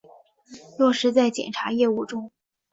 落实在检察业务中